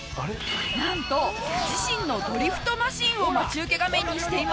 なんと自身のドリフトマシンを待ち受け画面にしていました。